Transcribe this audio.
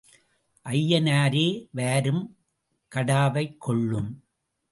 ஐயனாரே வாரும் கடாவைக் கொள்ளும்.